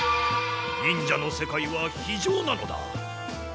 忍者の世界は非情なのだ。